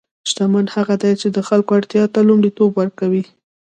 شتمن هغه دی چې د خلکو اړتیا ته لومړیتوب ورکوي.